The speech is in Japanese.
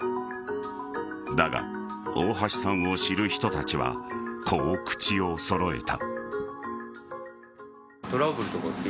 だが、大橋さんを知る人たちはこう口を揃えた。